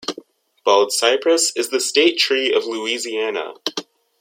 Bald cypress is the state tree of Louisiana.